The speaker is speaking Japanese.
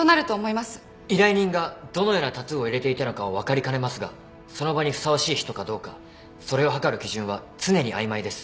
依頼人がどのようなタトゥーを入れていたのかは分かりかねますがその場にふさわしい人かどうかそれを測る基準は常に曖昧です。